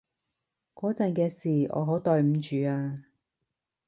嗰陣嘅事，我好對唔住啊